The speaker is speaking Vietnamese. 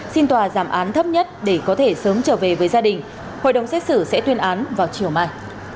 xin tòa giảm án thấp nhất để có thể sớm trở về với gia đình hội đồng xét xử sẽ tuyên án vào chiều mai